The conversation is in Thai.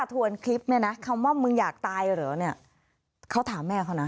ทวนคลิปเนี่ยนะคำว่ามึงอยากตายเหรอเนี่ยเขาถามแม่เขานะ